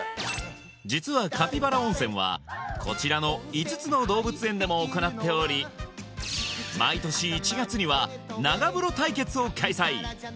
実はカピバラ温泉はこちらの５つの動物園でも行っており毎年１月にはを開催